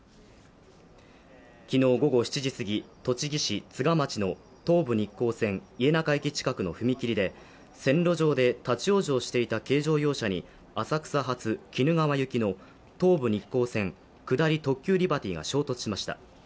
昨日午後７時すぎ、栃木市都賀町の東武日光線家中駅近くの踏切で線路上で立往生していた軽乗用車に浅草発、鬼怒川行きの東武日光線下り特急リバティが衝突しました。